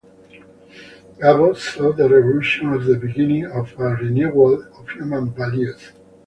Gabo saw the Revolution as the beginning of a renewal of human values.